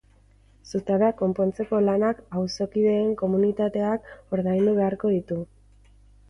Zutabea konpontzeko lanak auzokideen komunitateak ordaindu beharko ditu.